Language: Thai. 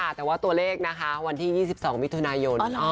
แต่ว่าตัวเลขนะคะวันที่๒๒มิถุนายน